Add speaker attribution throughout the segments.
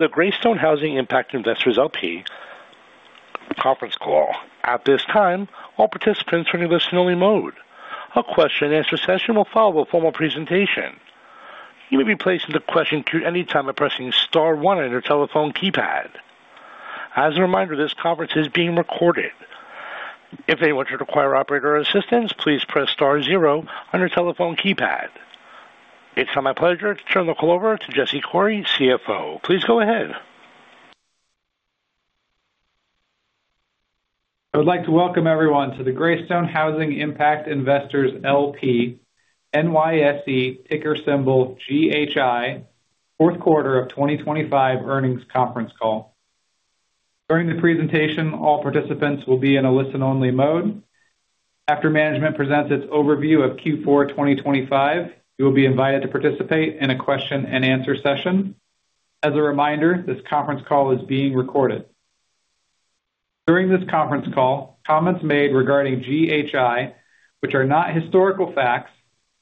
Speaker 1: The Greystone Housing Impact Investors LP conference call. At this time, all participants are in a listen-only mode. A question-and-answer session will follow a formal presentation. You may be placed in the question queue at any time by pressing star one on your telephone keypad. As a reminder, this conference is being recorded. If anyone should require operator assistance, please press star zero on your telephone keypad. It's now my pleasure to turn the call over to Jesse Coury, CFO. Please go ahead.
Speaker 2: I would like to welcome everyone to the Greystone Housing Impact Investors LP, NYSE ticker symbol GHI, fourth quarter of 2025 earnings conference call. During the presentation, all participants will be in a listen-only mode. After management presents its overview of Q4 2025, you will be invited to participate in a question-and-answer session. As a reminder, this conference call is being recorded. During this conference call, comments made regarding GHI, which are not historical facts,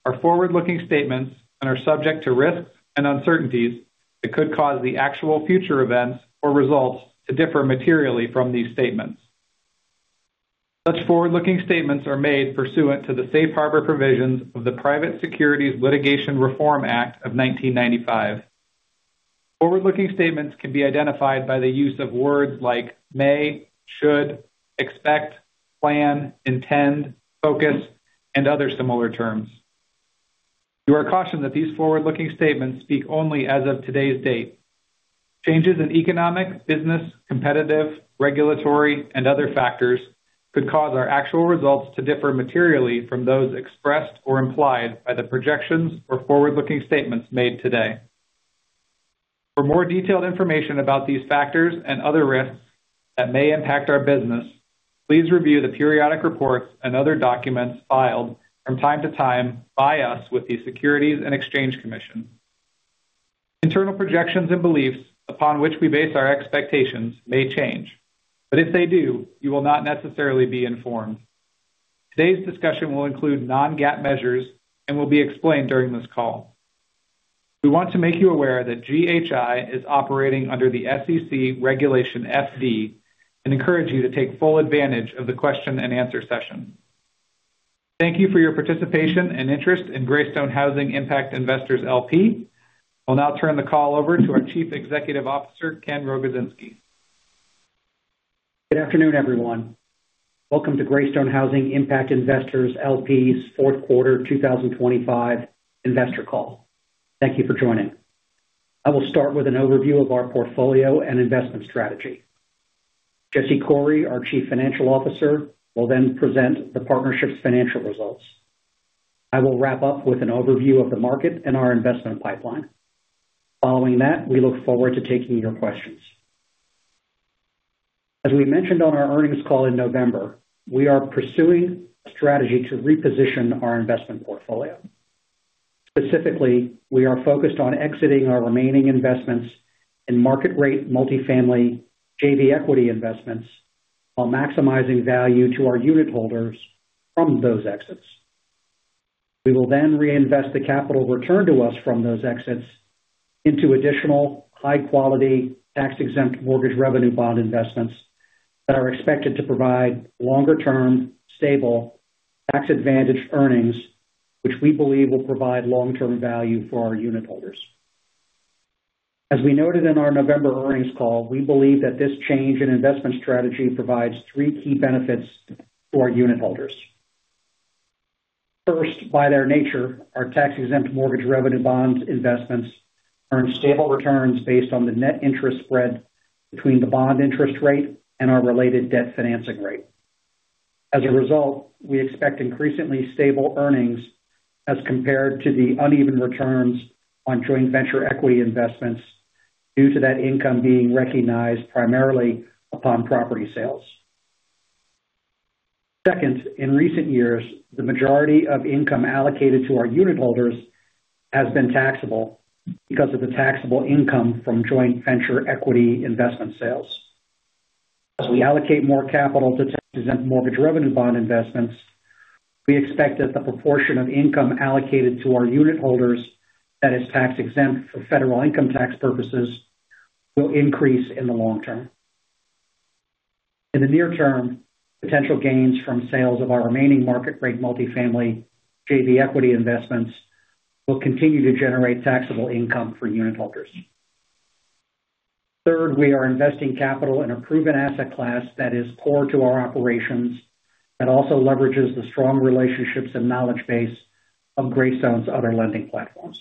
Speaker 2: are forward-looking statements and are subject to risks and uncertainties that could cause the actual future events or results to differ materially from these statements. Such forward-looking statements are made pursuant to the Safe Harbor provisions of the Private Securities Litigation Reform Act of 1995. Forward-looking statements can be identified by the use of words like may, should, expect, plan, intend, focus, and other similar terms. You are cautioned that these forward-looking statements speak only as of today's date. Changes in economic, business, competitive, regulatory, and other factors could cause our actual results to differ materially from those expressed or implied by the projections or forward-looking statements made today. For more detailed information about these factors and other risks that may impact our business, please review the periodic reports and other documents filed from time to time by us with the Securities and Exchange Commission. Internal projections and beliefs upon which we base our expectations may change, but if they do, you will not necessarily be informed. Today's discussion will include non-GAAP measures and will be explained during this call. We want to make you aware that GHI is operating under the SEC Regulation FD and encourage you to take full advantage of the question-and-answer session. Thank you for your participation and interest in Greystone Housing Impact Investors LP. I'll now turn the call over to our Chief Executive Officer, Ken Rogozinski.
Speaker 3: Good afternoon, everyone. Welcome to Greystone Housing Impact Investors LP's fourth quarter 2025 investor call. Thank you for joining. I will start with an overview of our portfolio and investment strategy. Jesse Coury, our Chief Financial Officer, will then present the partnership's financial results. I will wrap up with an overview of the market and our investment pipeline. Following that, we look forward to taking your questions. As we mentioned on our earnings call in November, we are pursuing a strategy to reposition our investment portfolio. Specifically, we are focused on exiting our remaining investments in market rate multifamily JV equity investments while maximizing value to our unitholders from those exits. We will then reinvest the capital returned to us from those exits into additional high-quality tax-exempt Mortgage Revenue Bond investments that are expected to provide longer-term, stable, tax-advantaged earnings, which we believe will provide long-term value for our unitholders. As we noted in our November earnings call, we believe that this change in investment strategy provides three key benefits to our unitholders. First, by their nature, our tax-exempt Mortgage Revenue Bonds investments earn stable returns based on the net interest spread between the bond interest rate and our related debt financing rate. As a result, we expect increasingly stable earnings as compared to the uneven returns on joint venture equity investments due to that income being recognized primarily upon property sales. Second, in recent years, the majority of income allocated to our unitholders has been taxable because of the taxable income from joint venture equity investment sales. As we allocate more capital to tax-exempt mortgage revenue bond investments, we expect that the proportion of income allocated to our unitholders that is tax-exempt for federal income tax purposes will increase in the long term. In the near term, potential gains from sales of our remaining market rate multifamily JV equity investments will continue to generate taxable income for unitholders. Third, we are investing capital in a proven asset class that is core to our operations that also leverages the strong relationships and knowledge base of Greystone's other lending platforms.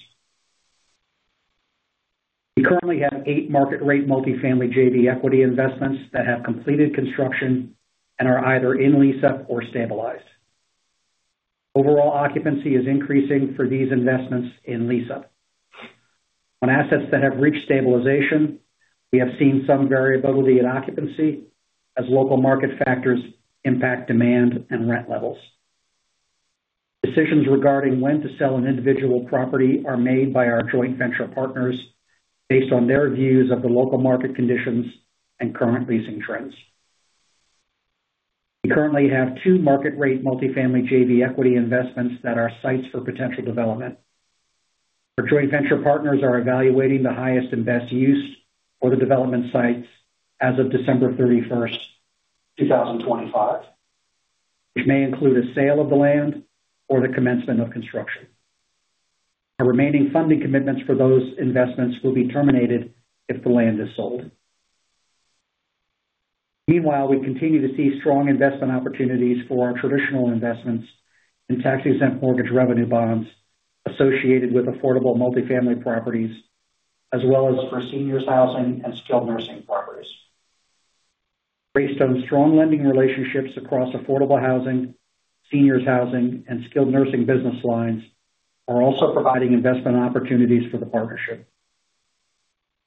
Speaker 3: We currently have eight market rate multifamily JV equity investments that have completed construction and are either in lease-up or stabilized. Overall occupancy is increasing for these investments in lease-up. On assets that have reached stabilization, we have seen some variability in occupancy as local market factors impact demand and rent levels. Decisions regarding when to sell an individual property are made by our joint venture partners based on their views of the local market conditions and current leasing trends. We currently have two market rate multifamily JV equity investments that are sites for potential development. Our joint venture partners are evaluating the highest and best use for the development sites as of December 31st, 2025, which may include a sale of the land or the commencement of construction. Our remaining funding commitments for those investments will be terminated if the land is sold. Meanwhile, we continue to see strong investment opportunities for our traditional investments in tax-exempt mortgage revenue bonds associated with affordable multifamily properties, as well as for seniors housing and skilled nursing properties. Greystone's strong lending relationships across affordable housing, seniors housing, and skilled nursing business lines are also providing investment opportunities for the partnership.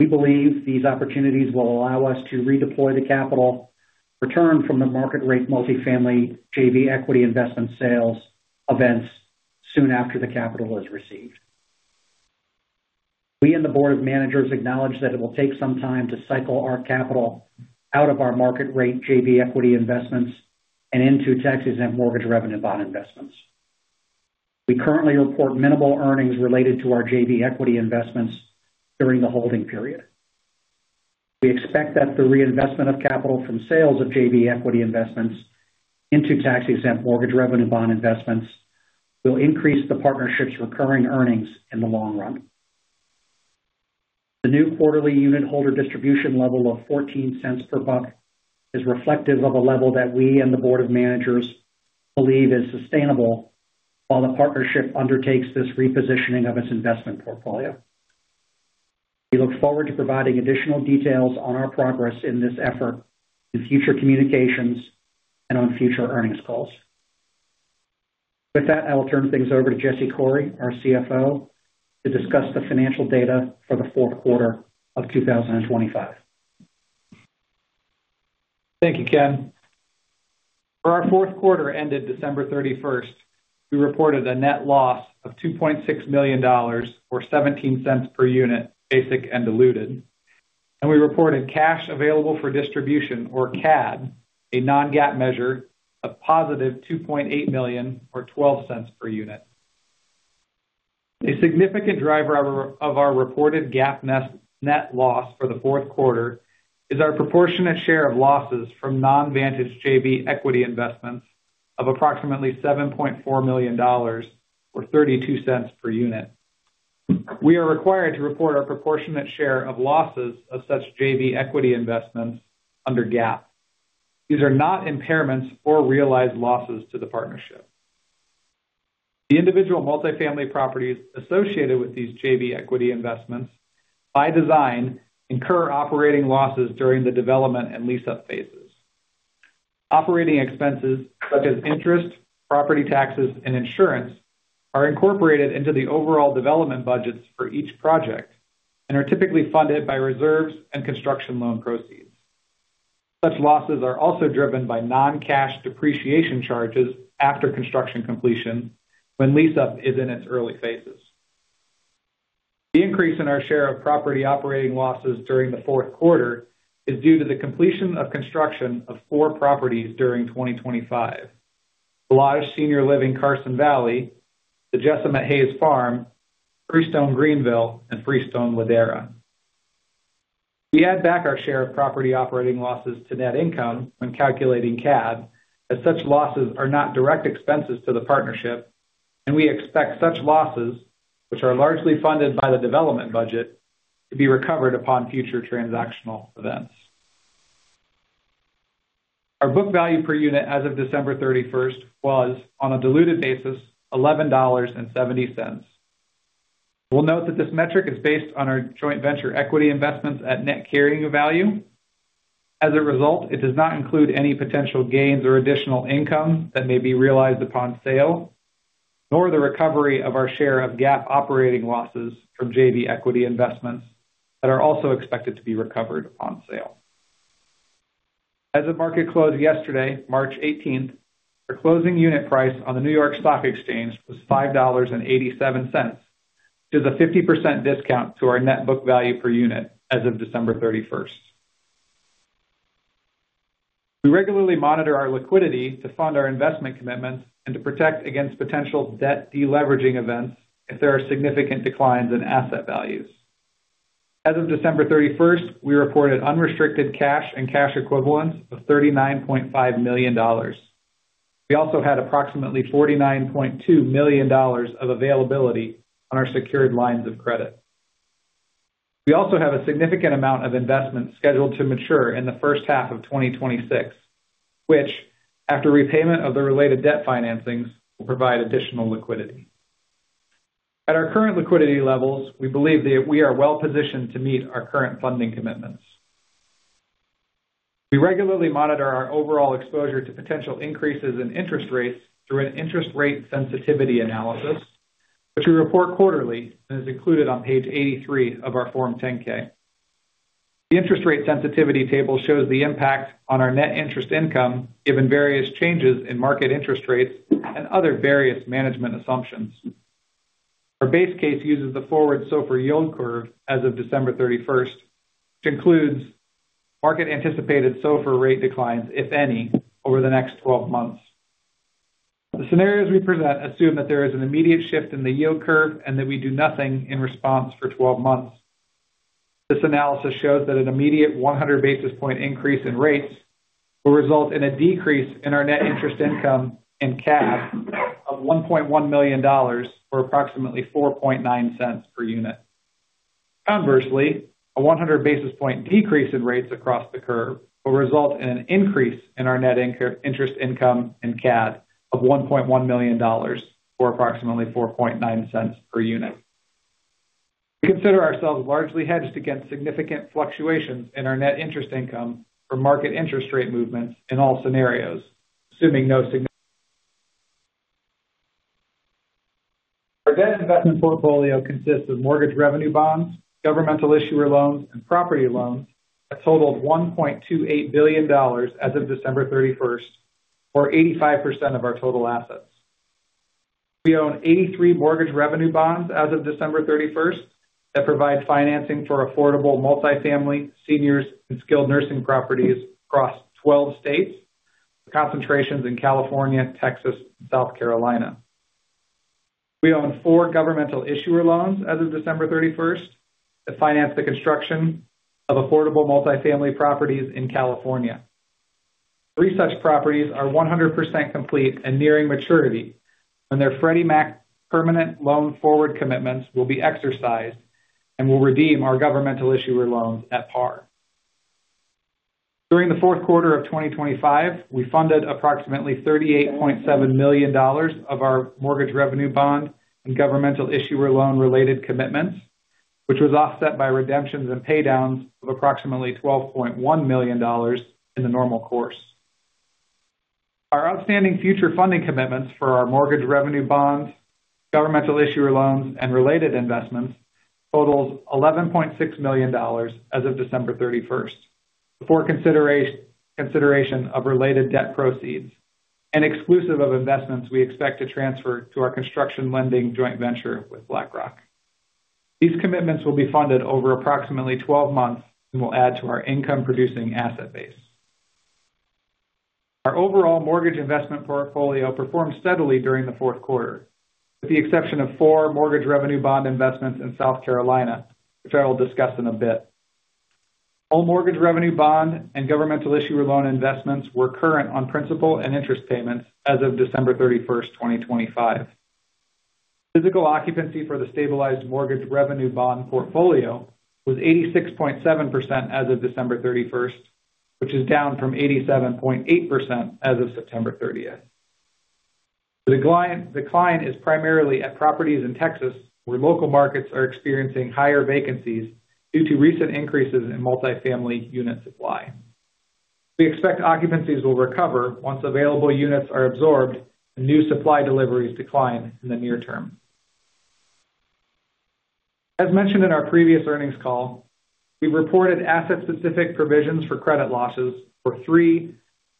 Speaker 3: We believe these opportunities will allow us to redeploy the capital return from the market rate multifamily JV equity investment sales events soon after the capital is received. We and the board of managers acknowledge that it will take some time to cycle our capital out of our market rate JV equity investments and into tax-exempt mortgage revenue bond investments. We currently report minimal earnings related to our JV equity investments during the holding period. We expect that the reinvestment of capital from sales of JV equity investments into tax-exempt mortgage revenue bond investments will increase the partnership's recurring earnings in the long run. The new quarterly unit holder distribution level of $0.14 per unit is reflective of a level that we and the board of managers believe is sustainable while the partnership undertakes this repositioning of its investment portfolio. We look forward to providing additional details on our progress in this effort in future communications and on future earnings calls. With that, I will turn things over to Jesse Coury, our CFO, to discuss the financial data for the fourth quarter of 2025.
Speaker 2: Thank you, Ken. For our fourth quarter ended December 31st, we reported a net loss of $2.6 million or $0.17 per unit, basic and diluted. We reported cash available for distribution, or CAD, a non-GAAP measure of positive $2.8 million or $0.12 per unit. A significant driver of our reported GAAP net loss for the fourth quarter is our proportionate share of losses from non-Vantage JV equity investments of approximately $7.4 million or $0.32 per unit. We are required to report our proportionate share of losses of such JV equity investments under GAAP. These are not impairments or realized losses to the partnership. The individual multifamily properties associated with these JV equity investments, by design, incur operating losses during the development and lease-up phases. Operating expenses such as interest, property taxes, and insurance are incorporated into the overall development budgets for each project and are typically funded by reserves and construction loan proceeds. Such losses are also driven by non-cash depreciation charges after construction completion when lease-up is in its early phases. The increase in our share of property operating losses during the fourth quarter is due to the completion of construction of four properties during 2025. Valage Senior Living at Carson Valley, The Jessam at Hays Farm, Freestone Greenville, and Freestone Ladera. We add back our share of property operating losses to net income when calculating CAD, as such losses are not direct expenses to the partnership, and we expect such losses, which are largely funded by the development budget, to be recovered upon future transactional events. Our book value per unit as of December 31st was, on a diluted basis, $11.70. We'll note that this metric is based on our joint venture equity investments at net carrying value. As a result, it does not include any potential gains or additional income that may be realized upon sale, nor the recovery of our share of GAAP operating losses from JV equity investments that are also expected to be recovered on sale. As of market close yesterday, March eighteenth, our closing unit price on the New York Stock Exchange was $5.87, which is a 50% discount to our net book value per unit as of December 31st. We regularly monitor our liquidity to fund our investment commitments and to protect against potential debt deleveraging events if there are significant declines in asset values. As of December 31st, we reported unrestricted cash and cash equivalents of $39.5 million. We also had approximately $49.2 million of availability on our secured lines of credit. We also have a significant amount of investments scheduled to mature in the first half of 2026, which, after repayment of the related debt financings, will provide additional liquidity. At our current liquidity levels, we believe that we are well positioned to meet our current funding commitments. We regularly monitor our overall exposure to potential increases in interest rates through an interest rate sensitivity analysis, which we report quarterly and is included on page 83 of our Form 10-K. The interest rate sensitivity table shows the impact on our net interest income given various changes in market interest rates and other various management assumptions. Our base case uses the forward SOFR yield curve as of December 31st, which includes market-anticipated SOFR rate declines, if any, over the next 12 months. The scenarios we present assume that there is an immediate shift in the yield curve and that we do nothing in response for 12 months. This analysis shows that an immediate 100 basis points increase in rates will result in a decrease in our net interest income in cash of $1.1 million, or approximately $0.049 per unit. Conversely, a 100 basis point decrease in rates across the curve will result in an increase in our net interest income in cash of $1.1 million, or approximately $0.049 per unit. We consider ourselves largely hedged against significant fluctuations in our net interest income for market interest rate movements in all scenarios. Our debt investment portfolio consists of mortgage revenue bonds, governmental issuer loans, and property loans that totaled $1.28 billion as of December 31st, or 85% of our total assets. We own 83 mortgage revenue bonds as of December 31st that provide financing for affordable multifamily, seniors, and skilled nursing properties across 12 states, with concentrations in California, Texas, and South Carolina. We own four governmental issuer loans as of December 31st that finance the construction of affordable multifamily properties in California. Three such properties are 100% complete and nearing maturity when their Freddie Mac permanent loan forward commitments will be exercised and will redeem our governmental issuer loans at par. During the fourth quarter of 2025, we funded approximately $38.7 million of our mortgage revenue bond and governmental issuer loan-related commitments, which was offset by redemptions and pay downs of approximately $12.1 million in the normal course. Our outstanding future funding commitments for our mortgage revenue bonds, governmental issuer loans, and related investments totals $11.6 million as of December 31st, before consideration of related debt proceeds and exclusive of investments, we expect to transfer to our construction lending joint venture with BlackRock. These commitments will be funded over approximately 12 months and will add to our income-producing asset base. Our overall mortgage investment portfolio performed steadily during the fourth quarter, with the exception of four Mortgage Revenue Bond investments in South Carolina, which I will discuss in a bit. All Mortgage Revenue Bond and governmental issuer loan investments were current on principal and interest payments as of December 31st, 2025. Physical occupancy for the stabilized Mortgage Revenue Bond portfolio was 86.7% as of December 31st, which is down from 87.8% as of September 30th. The decline is primarily at properties in Texas, where local markets are experiencing higher vacancies due to recent increases in multifamily unit supply. We expect occupancies will recover once available units are absorbed and new supply deliveries decline in the near term. As mentioned in our previous earnings call, we reported asset-specific provisions for credit losses for three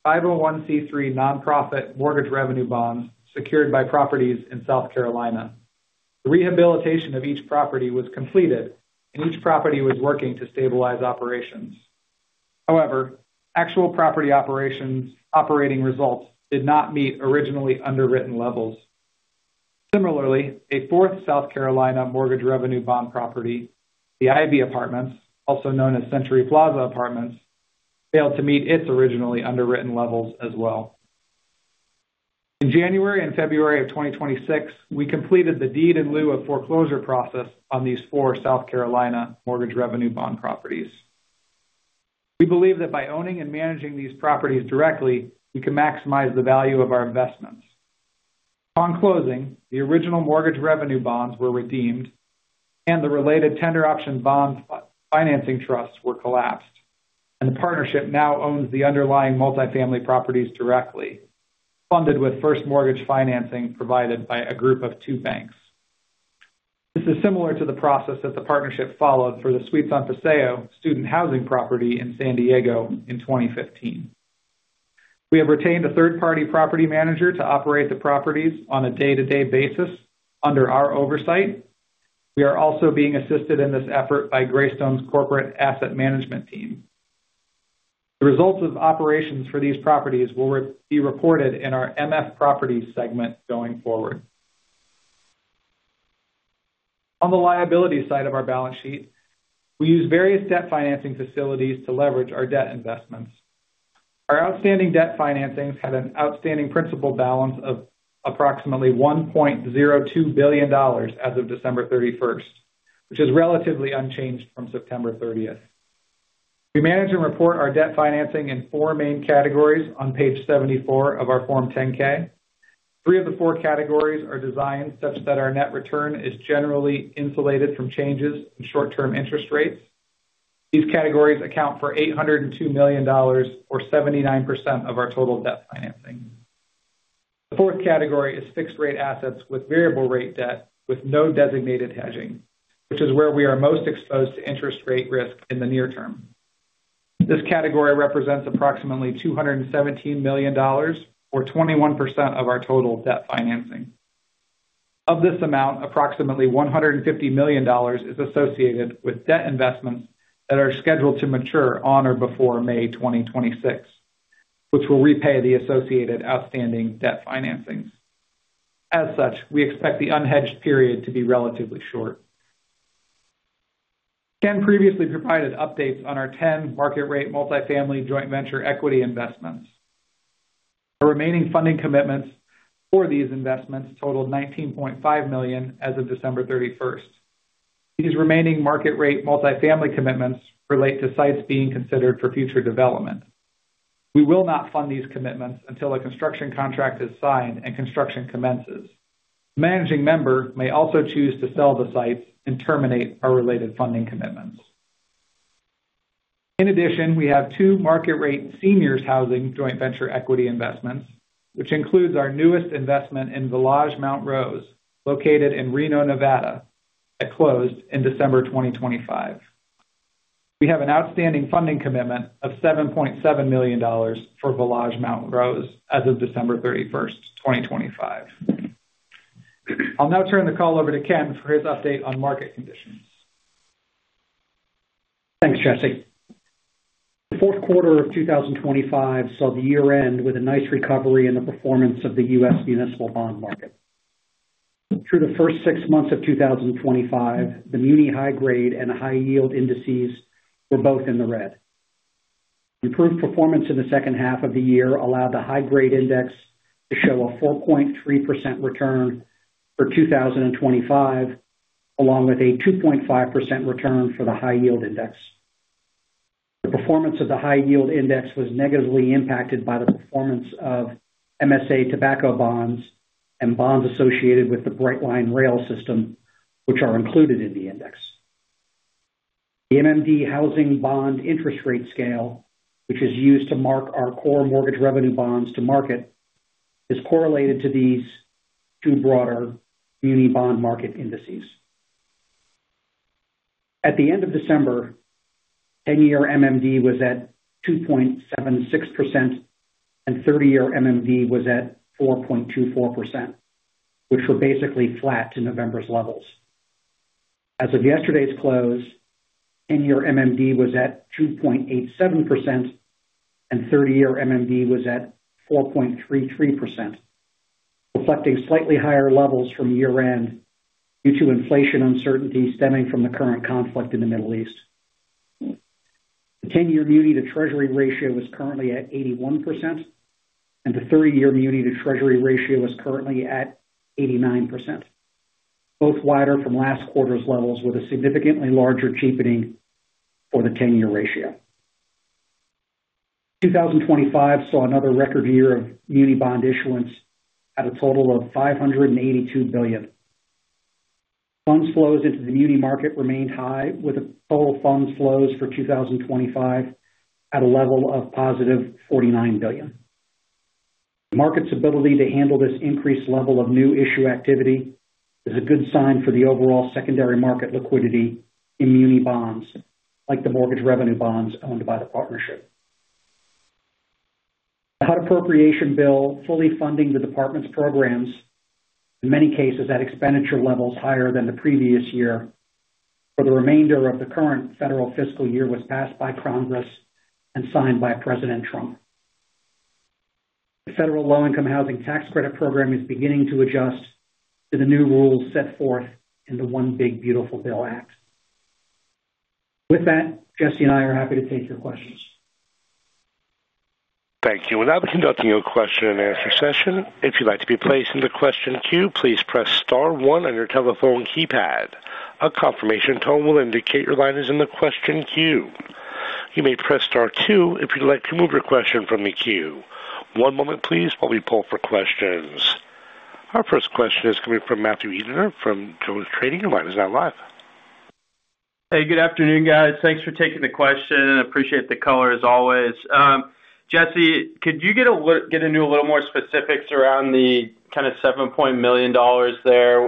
Speaker 2: 501(c)(3) nonprofit mortgage revenue bonds secured by properties in South Carolina. The rehabilitation of each property was completed, and each property was working to stabilize operations. However, actual property operations, operating results did not meet originally underwritten levels. Similarly, a fourth South Carolina mortgage revenue bond property, The Ivy Apartments, also known as Century Plaza Apartments, failed to meet its originally underwritten levels as well. In January and February of 2026, we completed the deed in lieu of foreclosure process on these four South Carolina mortgage revenue bond properties. We believe that by owning and managing these properties directly, we can maximize the value of our investments. Upon closing, the original mortgage revenue bonds were redeemed, and the related tender option bond financing trusts were collapsed, and the partnership now owns the underlying multifamily properties directly, funded with first mortgage financing provided by a group of two banks. This is similar to the process that the partnership followed for the Suites on Paseo student housing property in San Diego in 2015. We have retained a third-party property manager to operate the properties on a day-to-day basis under our oversight. We are also being assisted in this effort by Greystone's corporate asset management team. The results of operations for these properties will be reported in our MF Properties segment going forward. On the liability side of our balance sheet, we use various debt financing facilities to leverage our debt investments. Our outstanding debt financings had an outstanding principal balance of approximately $1.02 billion as of December 31st, which is relatively unchanged from September 30th. We manage and report our debt financing in four main categories on page 74 of our Form 10-K. Three of the four categories are designed such that our net return is generally insulated from changes in short-term interest rates. These categories account for $802 million, or 79% of our total debt financing. The fourth category is fixed rate assets with variable rate debt with no designated hedging, which is where we are most exposed to interest rate risk in the near term. This category represents approximately $217 million or 21% of our total debt financing. Of this amount, approximately $150 million is associated with debt investments that are scheduled to mature on or before May 2026, which will repay the associated outstanding debt financings. As such, we expect the unhedged period to be relatively short. Ken previously provided updates on our 10-market rate multifamily joint venture equity investments. The remaining funding commitments for these investments totaled $19.5 million as of December 31st. These remaining market rate multifamily commitments relate to sites being considered for future development. We will not fund these commitments until a construction contract is signed and construction commences. Managing member may also choose to sell the site and terminate our related funding commitments. In addition, we have two market rate seniors housing joint venture equity investments, which includes our newest investment in Village Mount Rose, located in Reno, Nevada, that closed in December 2025. We have an outstanding funding commitment of $7.7 million for Village Mount Rose as of December 31, 2025. I'll now turn the call over to Ken for his update on market conditions.
Speaker 3: Thanks, Jesse. The fourth quarter of 2025 saw the year-end with a nice recovery in the performance of the U.S. municipal bond market. Through the first six months of 2025, the muni high grade and high yield indices were both in the red. Improved performance in the second half of the year allowed the high-grade index to show a 4.3% return for 2025, along with a 2.5% return for the high yield index. The performance of the high yield index was negatively impacted by the performance of MSA tobacco bonds and bonds associated with the Brightline rail system, which are included in the index. The MMD housing bond interest rate scale, which is used to mark our core mortgage revenue bonds to market, is correlated to these two broader muni bond market indices. At the end of December, 10-year MMD was at 2.76% and 30-year MMD was at 4.24%, which were basically flat to November's levels. As of yesterday's close, 10-year MMD was at 2.87% and 30-year MMD was at 4.33%, reflecting slightly higher levels from year-end due to inflation uncertainty stemming from the current conflict in the Middle East. The ten-year muni-to-treasury ratio is currently at 81% and the 30-year muni-to-treasury ratio is currently at 89%, both wider from last quarter's levels with a significantly larger cheapening for the ten-year ratio. 2025 saw another record year of muni bond issuance at a total of $582 billion. Funds flow into the muni market remained high, with the total funds flows for 2025 at a level of $49 billion. The market's ability to handle this increased level of new issue activity is a good sign for the overall secondary market liquidity in muni bonds like the Mortgage Revenue Bonds owned by the partnership. The HUD appropriation bill fully funding the department's programs, in many cases at expenditure levels higher than the previous year for the remainder of the current federal fiscal year, was passed by Congress and signed by President Trump. The Federal Low-Income Housing Tax Credit Program is beginning to adjust to the new rules set forth in the One Big Beautiful Bill Act. With that, Jesse and I are happy to take your questions.
Speaker 1: Thank you. We're now conducting a question-and-answer session. If you'd like to be placed in the question queue, please press star one on your telephone keypad. A confirmation tone will indicate your line is in the question queue. You may press star two if you'd like to remove your question from the queue. One moment please while we poll for questions. Our first question is coming from Matthew Erdner from JonesTrading Institutional Services, your line is now live.
Speaker 4: Hey, good afternoon, guys. Thanks for taking the question and appreciate the color as always. Jesse, could you get into a little more specifics around the kind of $7 million there?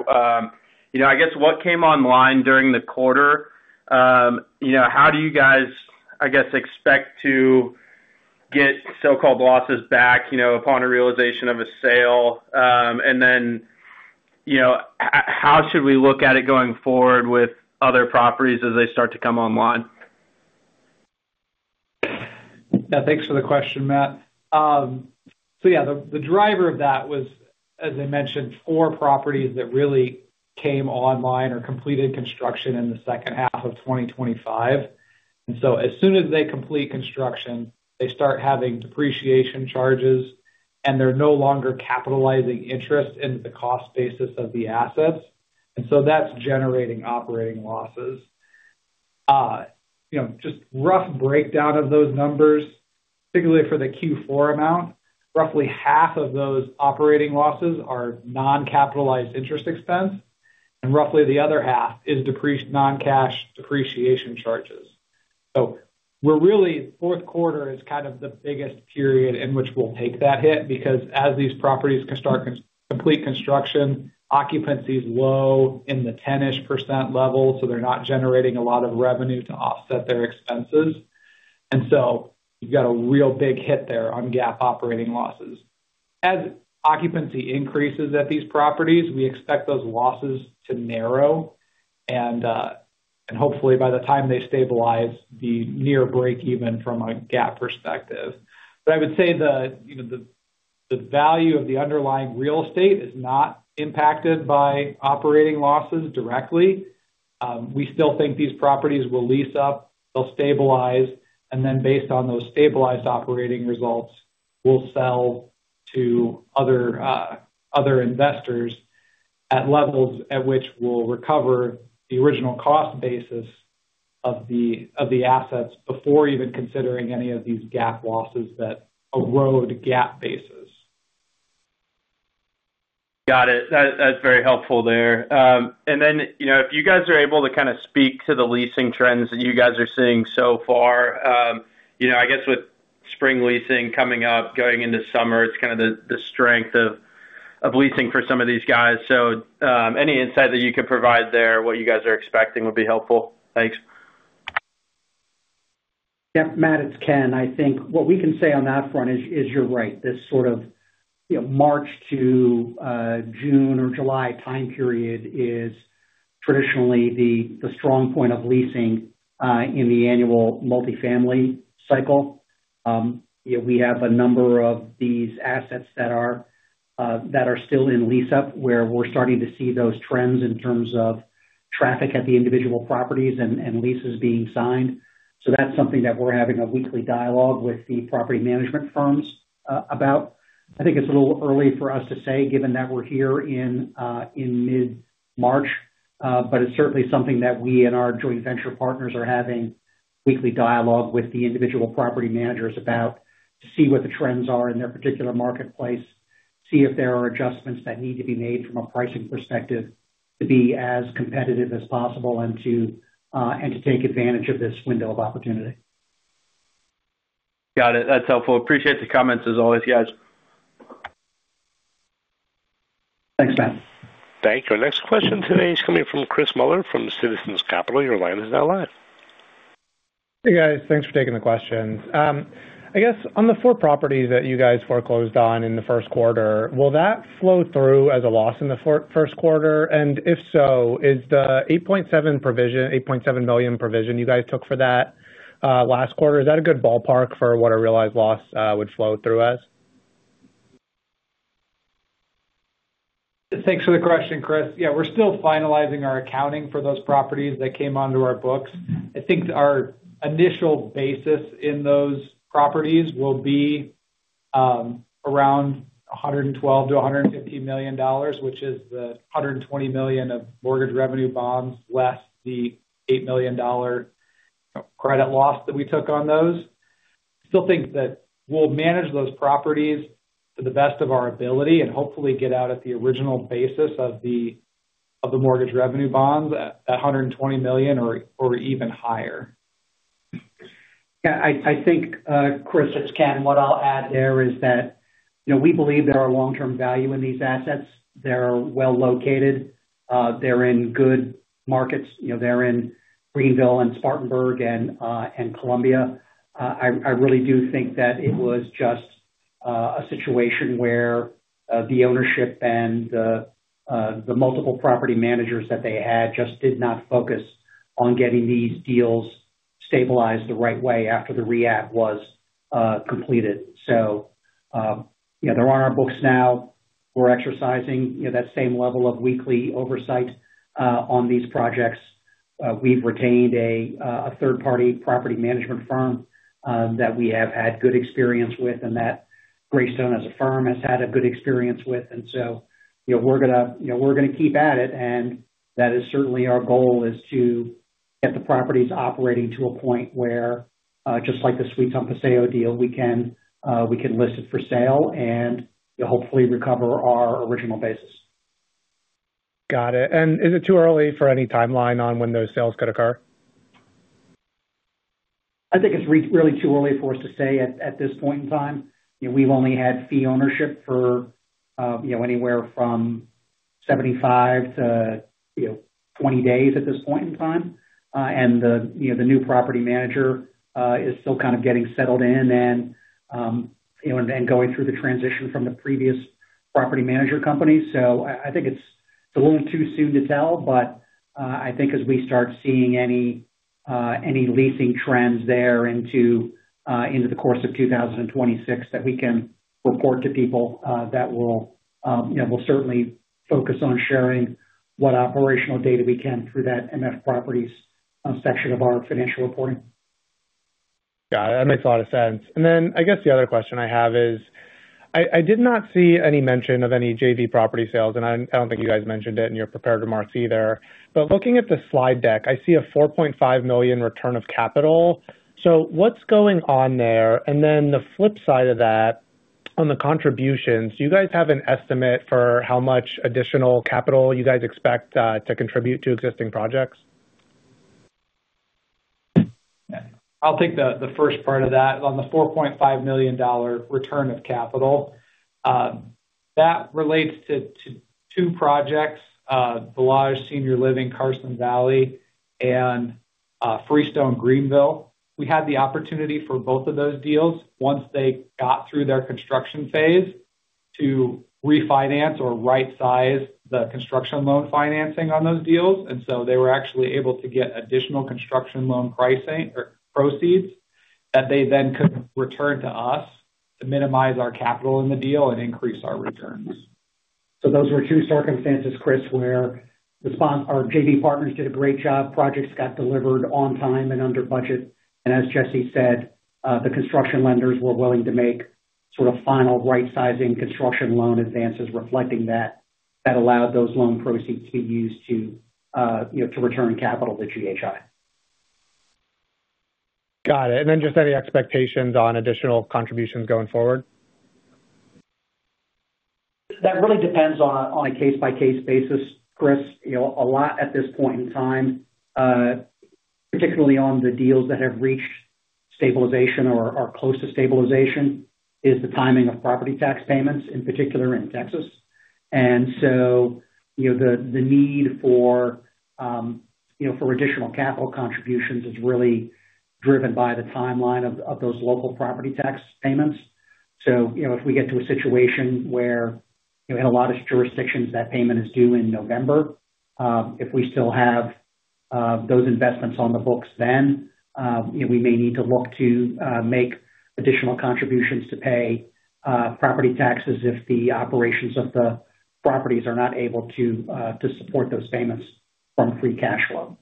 Speaker 4: You know, I guess what came online during the quarter? You know, how do you guys, I guess, expect to get so-called losses back, you know, upon a realization of a sale? How should we look at it going forward with other properties as they start to come online?
Speaker 2: Yeah. Thanks for the question, Matt. Yeah, the driver of that was, as I mentioned, four properties that really came online or completed construction in the second half of 2025. As soon as they complete construction, they start having depreciation charges, and they're no longer capitalizing interest into the cost basis of the assets. That's generating operating losses. You know, just rough breakdown of those numbers, particularly for the Q4 amount. Roughly half of those operating losses are non-capitalized interest expense, and roughly the other half is non-cash depreciation charges. We're really, fourth quarter is kind of the biggest period in which we'll take that hit because as these properties complete construction, occupancy is low in the 10-ish % level, so they're not generating a lot of revenue to offset their expenses. You've got a real big hit there on GAAP operating losses. As occupancy increases at these properties, we expect those losses to narrow and hopefully by the time they stabilize be near breakeven from a GAAP perspective. I would say you know, the value of the underlying real estate is not impacted by operating losses directly. We still think these properties will lease up, they'll stabilize, and then based on those stabilized operating results, we'll sell to other investors at levels at which we'll recover the original cost basis of the assets before even considering any of these GAAP losses that erode GAAP basis.
Speaker 4: Got it. That's very helpful there. You know, if you guys are able to kind of speak to the leasing trends that you guys are seeing so far, you know, I guess with spring leasing coming up, going into summer, it's kind of the strength of leasing for some of these guys. Any insight that you could provide there, what you guys are expecting would be helpful. Thanks.
Speaker 3: Yeah. Matt, it's Ken. I think what we can say on that front is you're right. This sort of, you know, March to June or July time period is traditionally the strong point of leasing in the annual multifamily cycle. You know, we have a number of these assets that are still in lease up where we're starting to see those trends in terms of traffic at the individual properties and leases being signed. That's something that we're having a weekly dialogue with the property management firms about. I think it's a little early for us to say, given that we're here in mid-March, but it's certainly something that we and our joint venture partners are having weekly dialogue with the individual property managers about to see what the trends are in their particular marketplace, see if there are adjustments that need to be made from a pricing perspective to be as competitive as possible and to take advantage of this window of opportunity.
Speaker 4: Got it. That's helpful. Appreciate the comments as always, you, guys.
Speaker 3: Thanks, Matt.
Speaker 1: Thank you. Our next question today is coming from Chris Muller from Citizens Capital Markets. Your line is now live.
Speaker 5: Hey, guys. Thanks for taking the questions. I guess on the four properties that you guys foreclosed on in the first quarter, will that flow through as a loss in the first quarter? If so, is the $8.7 million provision you guys took for that last quarter a good ballpark for what a realized loss would flow through as?
Speaker 2: Thanks for the question, Chris. Yeah, we're still finalizing our accounting for those properties that came onto our books. I think our initial basis in those properties will be around $112-$150 million, which is the $120 million of mortgage revenue bonds less the $8 million credit loss that we took on those. Still think that we'll manage those properties to the best of our ability and hopefully get out at the original basis of the mortgage revenue bonds at $120 million or even higher.
Speaker 3: Yeah, I think, Chris Mueller, it's Ken Rogozinski, what I'll add there is that, you know, we believe there are long-term value in these assets. They're well located. They're in good markets. You know, they're in Greenville and Spartanburg and Columbia. I really do think that it was just a situation where the ownership and the multiple property managers that they had just did not focus on getting these deals stabilized the right way after the rehab was completed. You know, they're on our books now. We're exercising, you know, that same level of weekly oversight on these projects. We've retained a third-party property management firm that we have had good experience with and that Greystone as a firm has had a good experience with. you know, we're gonna keep at it, and that is certainly our goal to get the properties operating to a point where, just like the Suites on Paseo deal, we can list it for sale and hopefully recover our original basis.
Speaker 5: Got it. Is it too early for any timeline on when those sales could occur?
Speaker 3: I think it's really too early for us to say at this point in time. You know, we've only had fee ownership for, you know, anywhere from 75 to, you know, 20 days at this point in time. The new property manager is still kind of getting settled in and then going through the transition from the previous property manager company. I think it's a little too soon to tell, but I think as we start seeing any leasing trends there into the course of 2026 that we can report to people, that will, we'll certainly focus on sharing what operational data we can through that MF Properties section of our financial reporting.
Speaker 5: Got it. That makes a lot of sense. I guess the other question I have is, I did not see any mention of any JV property sales, and I don't think you guys mentioned it in your prepared remarks either. Looking at the slide deck, I see a $4.5 million return of capital. What's going on there? The flip side of that, on the contributions, do you guys have an estimate for how much additional capital you guys expect to contribute to existing projects?
Speaker 2: I'll take the first part of that. On the $4.5 million return of capital, that relates to two projects, Valage Senior Living at Carson Valley and Freestone Greenville. We had the opportunity for both of those deals once they got through their construction phase to refinance or right-size the construction loan financing on those deals. They were actually able to get additional construction loan pricing or proceeds that they then could return to us to minimize our capital in the deal and increase our returns.
Speaker 3: Those were two circumstances, Chris, where our JV partners did a great job. Projects got delivered on time and under budget. As Jesse said, the construction lenders were willing to make sort of final right-sizing construction loan advances reflecting that allowed those loan proceeds to be used to, you know, to return capital to GHI.
Speaker 5: Got it. Just any expectations on additional contributions going forward?
Speaker 3: That really depends on a case-by-case basis, Chris. You know, a lot at this point in time, particularly on the deals that have reached stabilization or are close to stabilization, is the timing of property tax payments, in particular in Texas. You know, the need for additional capital contributions is really driven by the timeline of those local property tax payments. You know, if we get to a situation where, you know, in a lot of jurisdictions that payment is due in November, if we still have those investments on the books, then, you know, we may need to look to make additional contributions to pay property taxes if the operations of the properties are not able to to support those payments from free cash flow.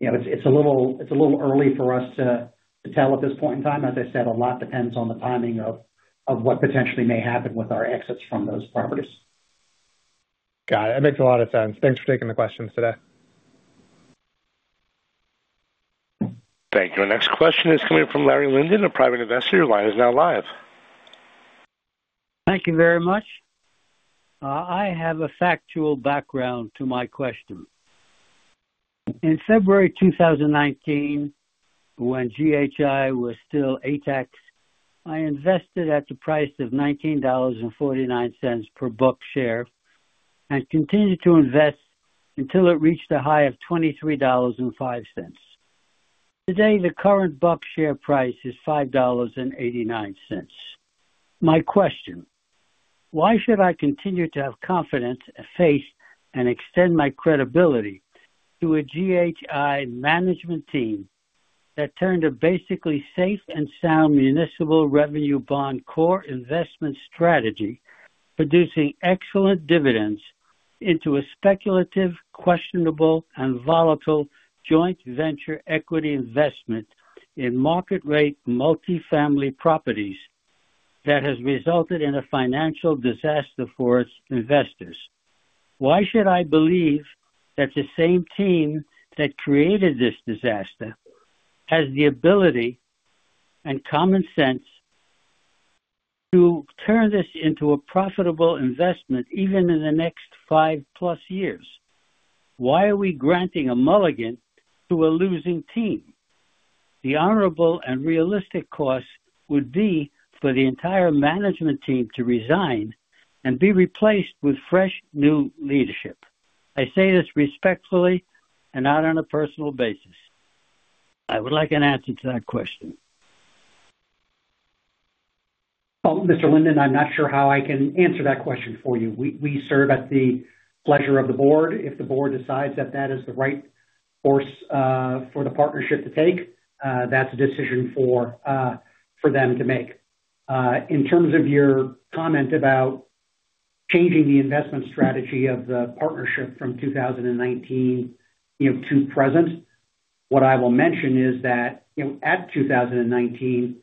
Speaker 3: You know, it's a little early for us to tell at this point in time. As I said, a lot depends on the timing of what potentially may happen with our exits from those properties.
Speaker 5: Got it. That makes a lot of sense. Thanks for taking the questions today.
Speaker 1: Thank you. Our next question is coming from Larry Linden, a private investor. Your line is now live.
Speaker 6: Thank you very much. I have a factual background to my question. In February 2019, when GHI was still ATAX, I invested at the price of $19.49 per book share and continued to invest until it reached a high of $23.05. Today, the current book share price is $5.89. My question, why should I continue to have confidence and faith and extend my credibility to a GHI management team that turned a basically safe and sound municipal revenue bond core investment strategy producing excellent dividends into a speculative, questionable and volatile joint venture equity investment in market rate multifamily properties that has resulted in a financial disaster for its investors? Why should I believe that the same team that created this disaster has the ability and common sense to turn this into a profitable investment even in the next 5+ years? Why are we granting a mulligan to a losing team? The honorable and realistic course would be for the entire management team to resign and be replaced with fresh new leadership. I say this respectfully and not on a personal basis. I would like an answer to that question.
Speaker 3: Well, Mr. Linden, I'm not sure how I can answer that question for you. We serve at the pleasure of the board. If the board decides that is the right course for the partnership to take, that's a decision for them to make. In terms of your comment about changing the investment strategy of the partnership from 2019, you know, to present, what I will mention is that, you know, at 2019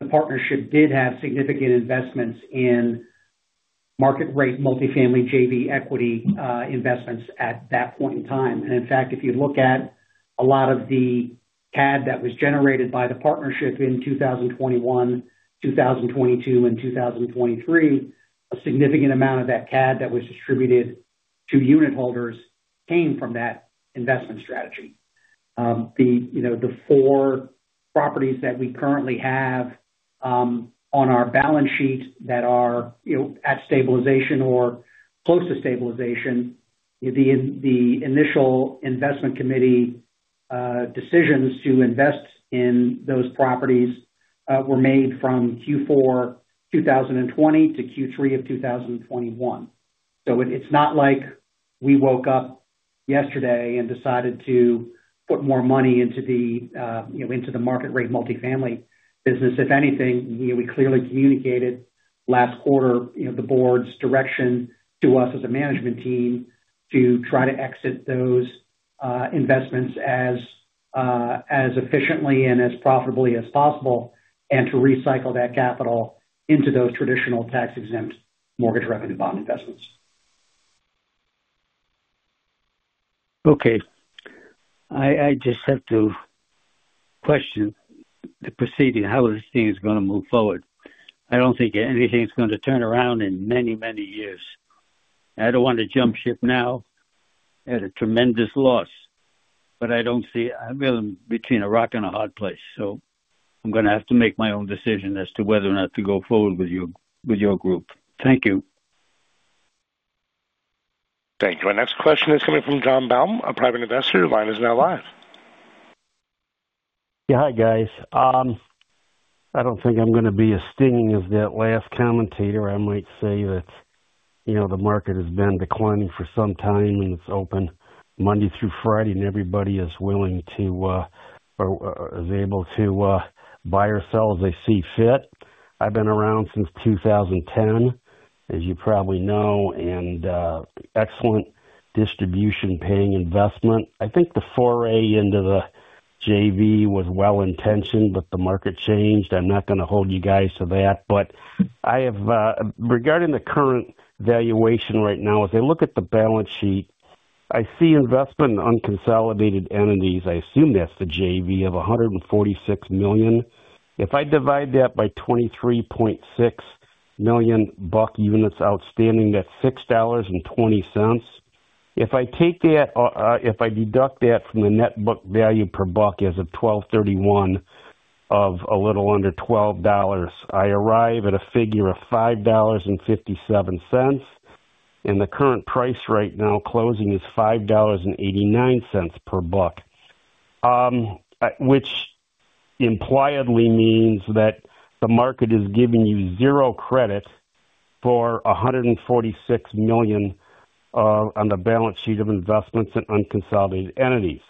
Speaker 3: the partnership did have significant investments in market rate multifamily JV equity investments at that point in time. In fact, if you look at a lot of the CAD that was generated by the partnership in 2021, 2022 and 2023, a significant amount of that CAD that was distributed to unitholders came from that investment strategy. The four properties that we currently have on our balance sheet that are you know at stabilization or close to stabilization, the initial investment committee decisions to invest in those properties were made from Q4 2020 to Q3 of 2021. It's not like we woke up yesterday and decided to put more money you know into the market rate multifamily business. If anything, you know, we clearly communicated last quarter, you know, the board's direction to us as a management team to try to exit those investments as efficiently and as profitably as possible and to recycle that capital into those traditional tax-exempt Mortgage Revenue Bond investments.
Speaker 6: Okay. I just have to question the proceeding, how this thing is gonna move forward. I don't think anything's going to turn around in many, many years. I don't want to jump ship now at a tremendous loss, but I don't see. I'm really between a rock and a hard place, so I'm gonna have to make my own decision as to whether or not to go forward with your group. Thank you.
Speaker 1: Thank you. Our next question is coming from Jonathan Baum, a private investor. Your line is now live.
Speaker 7: Yeah. Hi, guys. I don't think I'm gonna be as stinging as that last commentator. I might say that, you know, the market has been declining for some time, and it's open Monday through Friday, and everybody is willing to or is able to buy or sell as they see fit. I've been around since 2010, as you probably know, and excellent distribution paying investment. I think the foray into the JV was well-intentioned, but the market changed. I'm not gonna hold you guys to that. I have. Regarding the current valuation right now, as I look at the balance sheet, I see investment in unconsolidated entities. I assume that's the JV of $146 million. If I divide that by 23.6 million BUC units outstanding, that's $6.20. If I take that, if I deduct that from the net book value per buck as of 12/31 of a little under $12, I arrive at a figure of $5.57. The current price right now closing is $5.89 per buck. Which implicitly means that the market is giving you zero credit for $146 million on the balance sheet of investments in unconsolidated entities.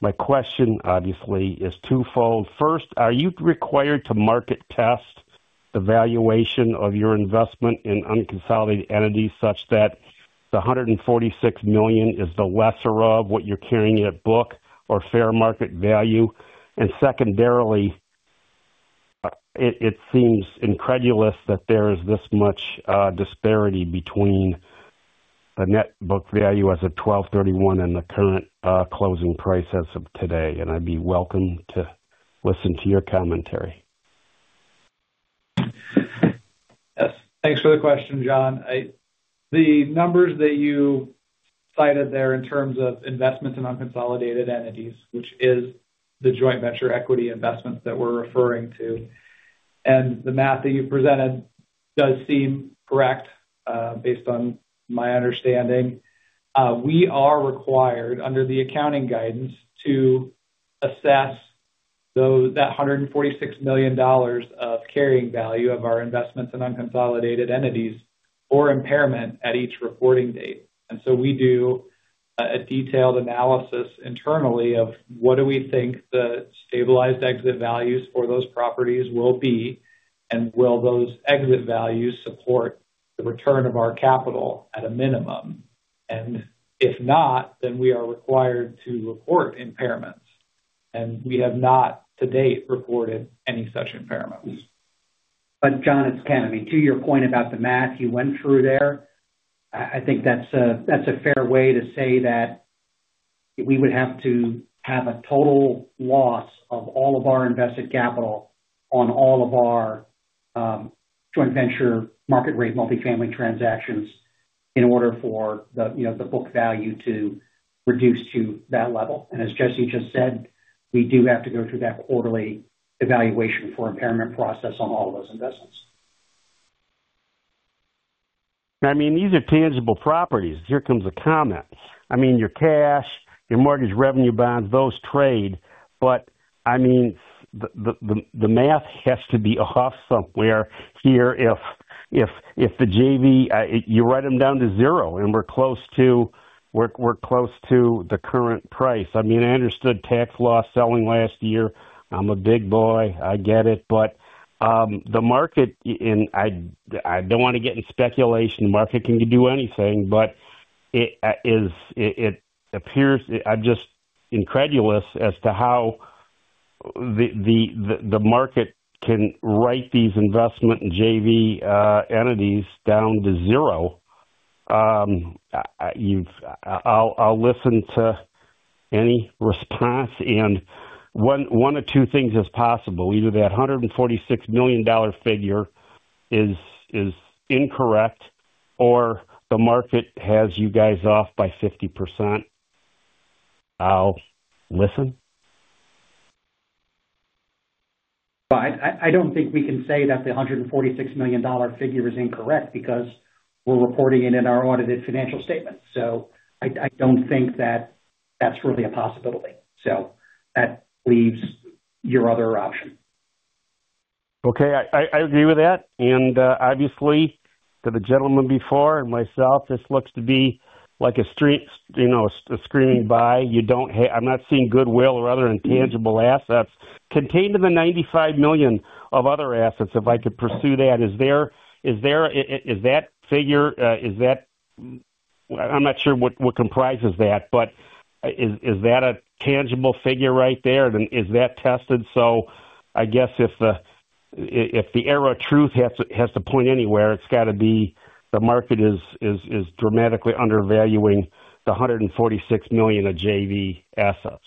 Speaker 7: My question obviously is twofold. First, are you required to market test the valuation of your investment in unconsolidated entities such that the $146 million is the lesser of what you're carrying at book or fair market value? Secondarily, it seems incredible that there is this much disparity between the net book value as of 12/31 and the current closing price as of today. I'd welcome to listen to your commentary.
Speaker 2: Yes, thanks for the question, John. The numbers that you cited there in terms of investments in unconsolidated entities, which is the joint venture equity investments that we're referring to, and the math that you presented does seem correct, based on my understanding. We are required under the accounting guidance to assess that $146 million of carrying value of our investments in unconsolidated entities for impairment at each reporting date. We do a detailed analysis internally of what do we think the stabilized exit values for those properties will be and will those exit values support the return of our capital at a minimum. If not, then we are required to report impairments. We have not to date reported any such impairments.
Speaker 3: John, it's Ken. I mean, to your point about the math you went through there, I think that's a fair way to say that we would have to have a total loss of all of our invested capital on all of our joint venture market rate multifamily transactions in order for the, you know, the book value to reduce to that level. As Jesse just said, we do have to go through that quarterly evaluation for impairment process on all those investments.
Speaker 7: I mean, these are tangible properties. Here comes a comment. I mean, your cash, your Mortgage Revenue Bonds, those trade. I mean, the math has to be off somewhere here. If the JV you write them down to zero and we're close to the current price. I mean, I understood tax loss selling last year. I'm a big boy, I get it. The market. I don't wanna get into speculation. Market can do anything. It appears I'm just incredulous as to how the market can write these investments in JV entities down to zero. I'll listen to any response. One of two things is possible. Either that $146 million figure is incorrect or the market has you guys off by 50%. I'll listen.
Speaker 3: I don't think we can say that the $146 million figure is incorrect because we're reporting it in our audited financial statement. I don't think that that's really a possibility. That leaves your other option.
Speaker 7: Okay. I agree with that. Obviously to the gentleman before and myself, this looks to be like a steal, you know, a screaming buy. I'm not seeing goodwill or other intangible assets contained in the $95 million of other assets, if I could pursue that. Is that figure? I'm not sure what comprises that, but is that a tangible figure right there? Then is that tested? I guess if the arrow of truth has to point anywhere, it's got to be the market is dramatically undervaluing the $146 million of JV assets.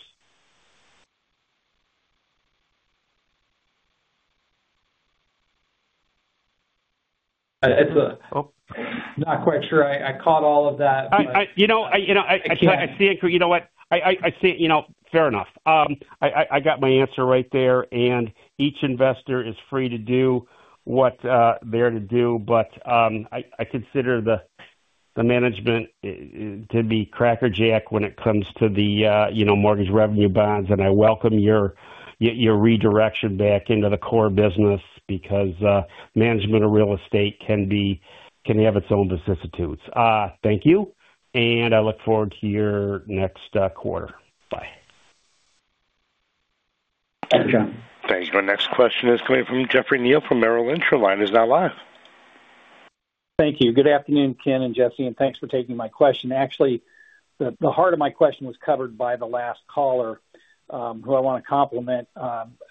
Speaker 3: Not quite sure I caught all of that.
Speaker 7: You know what? I see it. You know, fair enough. I got my answer right there, and each investor is free to do what they're to do. I consider the management to be crackerjack when it comes to the Mortgage Revenue Bonds. I welcome your redirection back into the core business because management of real estate can have its own vicissitudes. Thank you, and I look forward to your next quarter. Bye.
Speaker 3: Thank you.
Speaker 1: Thanks. Our next question is coming from Jeffrey Neal from Merrill Lynch. Your line is now live.
Speaker 8: Thank you. Good afternoon, Ken and Jesse, and thanks for taking my question. Actually, the heart of my question was covered by the last caller, who I want to compliment,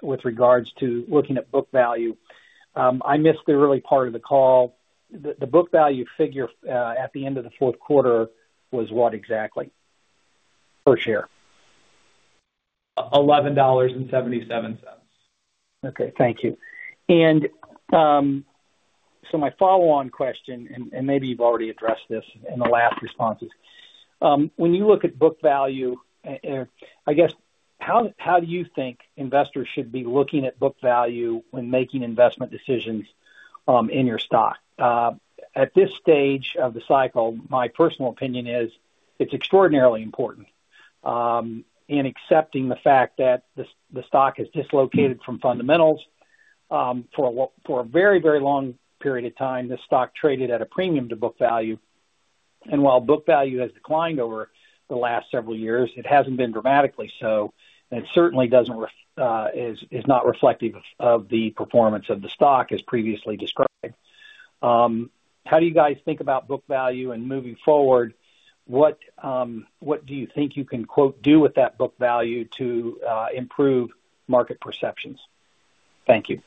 Speaker 8: with regards to looking at book value. I missed the early part of the call. The book value figure, at the end of the fourth quarter was what exactly per share?
Speaker 3: $11.77.
Speaker 8: Okay. Thank you. So, my follow-on question, and maybe you've already addressed this in the last responses. When you look at book value, I guess how do you think investors should be looking at book value when making investment decisions in your stock? At this stage of the cycle, my personal opinion is it's extraordinarily important in accepting the fact that the stock is dislocated from fundamentals. For a very, very long period of time, this stock traded at a premium to book value. While book value has declined over the last several years, it hasn't been dramatically so. It certainly is not reflective of the performance of the stock as previously described. How do you guys think about book value and moving forward, what do you think you can, quote, do with that book value to improve market perceptions? Thank you.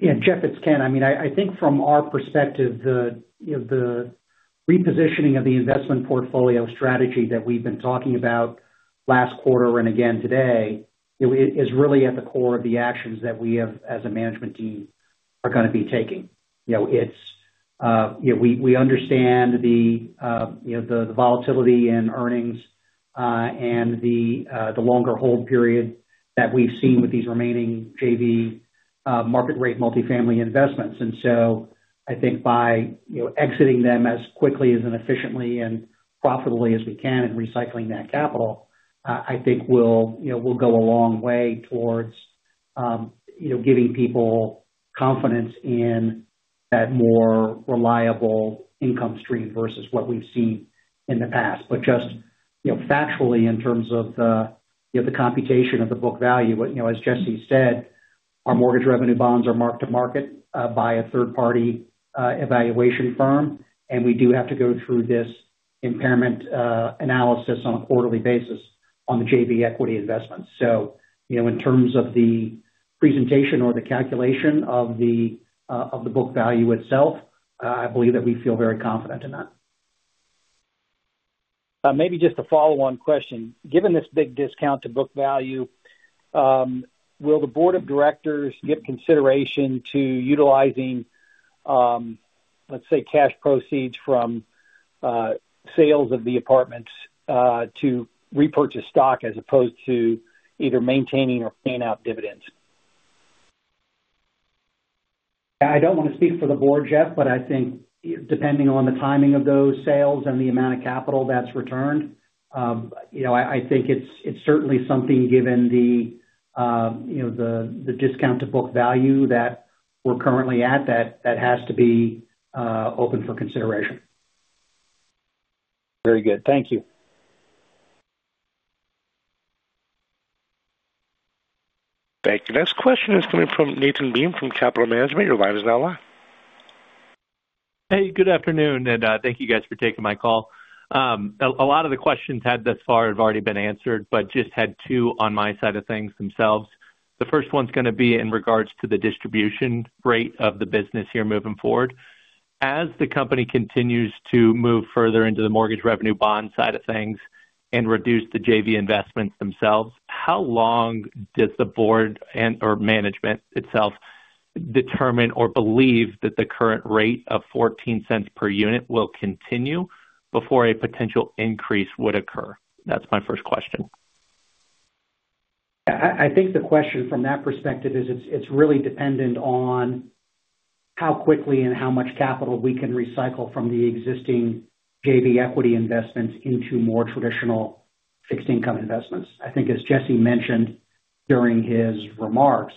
Speaker 3: Yeah, Jeff, it's Ken. I mean, I think from our perspective, you know, the repositioning of the investment portfolio strategy that we've been talking about last quarter and again today, it is really at the core of the actions that we have as a management team are gonna be taking. You know, it's you know, we understand you know, the volatility in earnings and the longer hold period that we've seen with these remaining JV market rate multifamily investments. I think by you know, exiting them as quickly and efficiently and profitably as we can and recycling that capital, I think we'll you know, go a long way towards giving people confidence in that more reliable income stream versus what we've seen in the past. Just, you know, factually, in terms of the, you know, the computation of the book value. You know, as Jesse said, our Mortgage Revenue Bonds are marked to market by a third-party evaluation firm, and we do have to go through this impairment analysis on a quarterly basis on the JV equity investment. You know, in terms of the presentation or the calculation of the book value itself, I believe that we feel very confident in that.
Speaker 8: Maybe just a follow-on question. Given this big discount to book value, will the board of directors give consideration to utilizing, let's say, cash proceeds from sales of the apartments to repurchase stock as opposed to either maintaining or paying out dividends?
Speaker 3: I don't want to speak for the board, Jeff, but I think depending on the timing of those sales and the amount of capital that's returned, you know, I think it's certainly something given the, you know, the discount to book value that we're currently at, that has to be open for consideration.
Speaker 8: Very good. Thank you.
Speaker 1: Thank you. Next question is coming from Nathan Beam from WIT Capital Management. Your line is now live.
Speaker 9: Hey, good afternoon, and thank you guys for taking my call. A lot of the questions had thus far have already been answered, just had two on my side of things themselves. The first one's gonna be in regard to the distribution rate of the business here moving forward. As the company continues to move further into the Mortgage Revenue Bonds side of things and reduce the JV investments themselves, how long does the board and/or management itself determine or believe that the current rate of $0.14 per unit will continue before a potential increase would occur? That's my first question.
Speaker 3: I think the question from that perspective is it's really dependent on how quickly and how much capital we can recycle from the existing JV equity investments into more traditional fixed income investments. I think as Jesse mentioned during his remarks,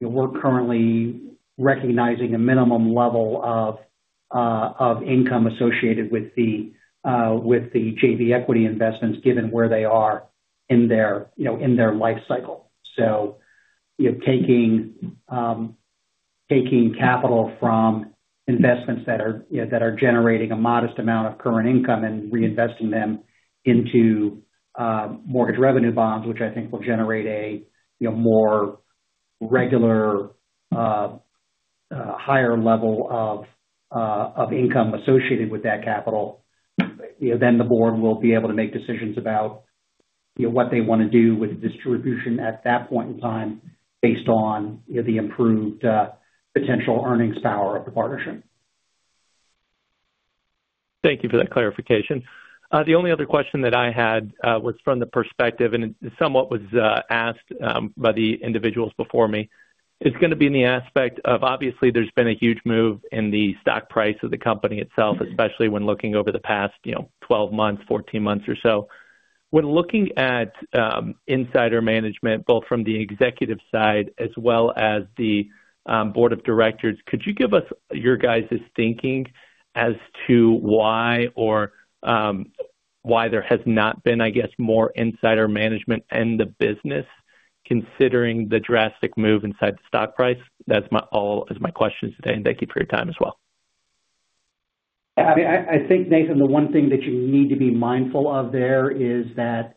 Speaker 3: you know, we're currently recognizing a minimum level of income associated with the JV equity investments given where they are in their, you know, in their life cycle. You know, taking capital from investments that are, you know, generating a modest amount of current income and reinvesting them into Mortgage Revenue Bonds, which I think will generate a, you know, more regular, a higher level of income associated with that capital, you know, then the board will be able to make decisions about, you know, what they want to do with distribution at that point in time based on, you know, the improved potential earnings power of the partnership.
Speaker 9: Thank you for that clarification. The only other question that I had was from the perspective, and it somewhat was asked by the individuals before me. It's gonna be in the aspect of obviously there's been a huge move in the stock price of the company itself, especially when looking over the past, you know, 12 months, 14 months or so. When looking at insider management, both from the executive side as well as the board of directors, could you give us your guys' thinking as to why or why there has not been, I guess, more insider management in the business considering the drastic move in the stock price? That's all my questions today and thank you for your time as well.
Speaker 3: I think, Nathan, the one thing that you need to be mindful of there is that,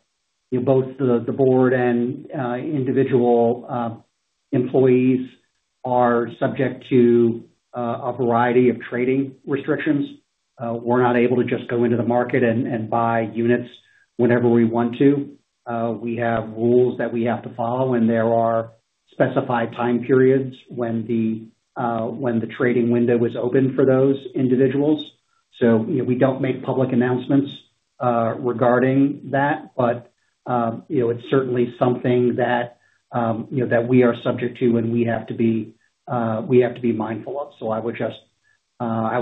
Speaker 3: you know, both the board and individual employees are subject to a variety of trading restrictions. We're not able to just go into the market and buy units whenever we want to. We have rules that we have to follow, and there are specified time periods when the trading window is open for those individuals. You know, we don't make public announcements regarding that. You know, it's certainly something that you know that we are subject to and we have to be mindful of. I would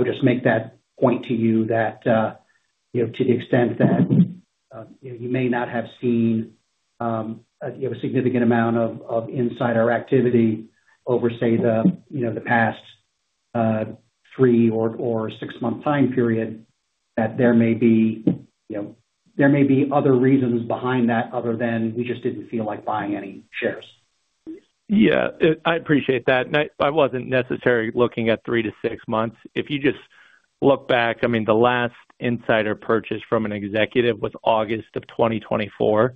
Speaker 3: just make that point to you that, you know, to the extent that, you know, you may not have seen, you know, a significant amount of insider activity over, say, the, you know, the past, three or six-month time period, that there may be, you know, there may be other reasons behind that other than we just didn't feel like buying any shares.
Speaker 9: Yeah, I appreciate that. I wasn't necessarily looking at three to six months. If you just look back, I mean, the last insider purchase from an executive was August of 2024.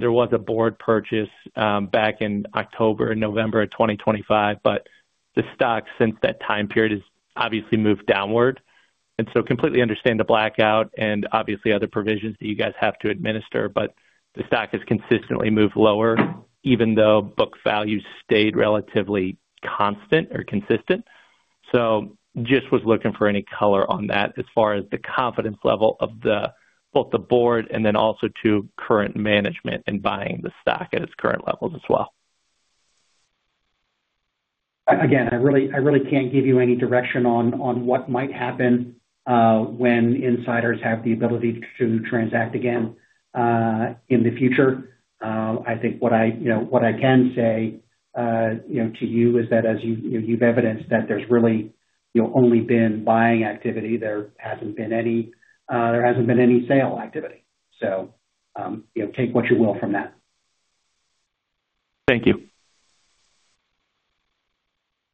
Speaker 9: There was a board purchase back in October, November of 2025, but the stock since that time period has obviously moved downward. I completely understand the blackout and obviously other provisions that you guys have to administer, but the stock has consistently moved lower even though book value stayed relatively constant or consistent. Just was looking for any color on that as far as the confidence level of both the board and then also the current management in buying the stock at its current levels as well.
Speaker 3: Again, I really can't give you any direction on what might happen when insiders have the ability to transact again in the future. I think what I can say, you know, to you is that as you've evidenced that there's really, you know, only been buying activity. There hasn't been any sale activity. You know, take what you will from that.
Speaker 9: Thank you.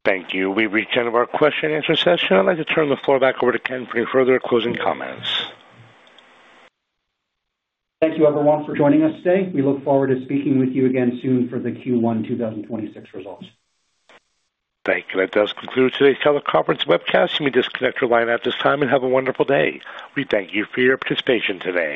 Speaker 1: Thank you. We've reached the end of our question-and-answer session. I'd like to turn the floor back over to Ken for any further closing comments.
Speaker 3: Thank you everyone for joining us today. We look forward to speaking with you again soon for the Q1 2026 results.
Speaker 1: Thank you. That does conclude today's teleconference webcast. You may disconnect your line at this time and have a wonderful day. We thank you for your participation today.